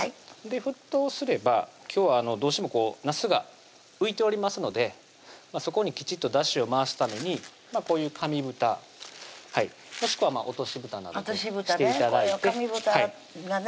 沸騰すれば今日はどうしてもなすが浮いておりますのでそこにきちっとだしを回すためにこういう紙ぶたもしくは落としぶたなどをして頂いて紙ぶたがね